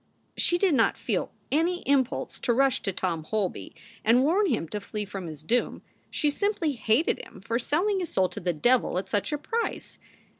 She did not feel any impulse to rush to Tom Holby and warn him to flee from his doom. She simply hated him for selling his soul to the devil at such a price.